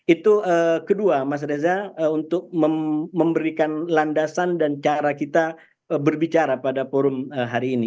itu kedua mas reza untuk memberikan landasan dan cara kita berbicara pada forum hari ini